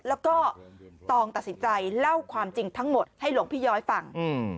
แล้วก็ตองตัดสินใจเล่าความจริงทั้งหมดให้หลวงพี่ย้อยฟัง